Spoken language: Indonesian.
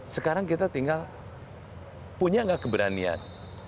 sekarang kita tinggal punya nggak keberanian